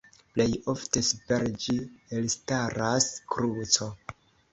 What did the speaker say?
Plej ofte super ĝi elstaras kruco.